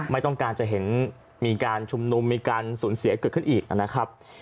ไม่ต้องการจะเห็นมีการชุมนุมมีการสูญเสียเกิดขึ้นอีกนะครับ